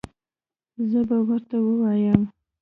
زه به ورته ووایم